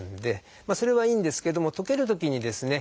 それはいいんですけども溶けるときにですね